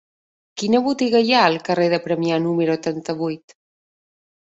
Quina botiga hi ha al carrer de Premià número trenta-vuit?